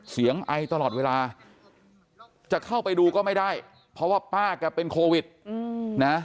ไอตลอดเวลาจะเข้าไปดูก็ไม่ได้เพราะว่าป้าแกเป็นโควิดนะ